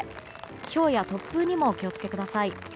ひょうや突風にもお気を付けください。